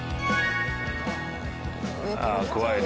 ああ怖いね。